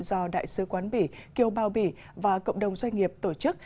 do đại sứ quán bỉ kiều bào bỉ và cộng đồng doanh nghiệp tổ chức